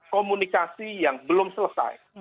komunikasi yang belum selesai